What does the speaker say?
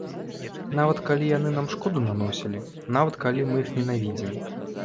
Нават калі яны нам шкоду наносілі, нават калі мы іх ненавідзім.